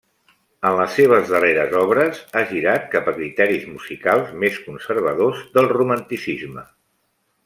En les seves darreres obres ha girat cap a criteris musicals més conservadors del romanticisme.